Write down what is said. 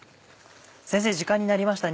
先生時間になりました